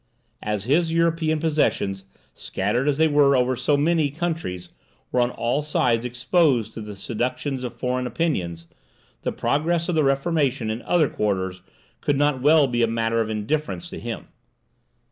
As his European possessions, scattered as they were over so many countries, were on all sides exposed to the seductions of foreign opinions, the progress of the Reformation in other quarters could not well be a matter of indifference to him.